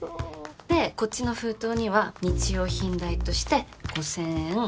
でこっちの封筒には日用品代として５，０００円。